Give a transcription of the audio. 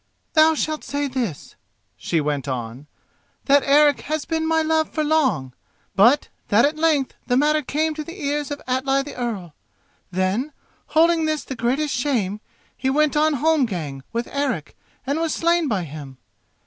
"Thou shalt say this," she went on, "that Eric had been my love for long, but that at length the matter came to the ears of Atli, the Earl. Then, holding this the greatest shame, he went on holmgang with Eric and was slain by him.